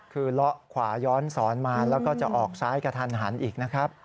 คือเละขวาย้อนสอนมาแล้วก็จะออกซ้ายกระทันหันอีกนะครับ